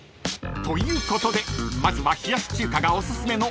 ［ということでまずは冷やし中華がおすすめの］